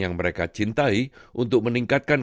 yang mereka cintai untuk meningkatkan